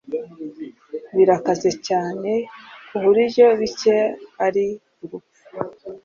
Birakaze cyane kuburyo bike ari urupfu